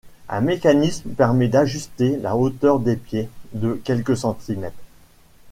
Un mécanisme permet d'ajuster la hauteur des pieds de quelques centimètres.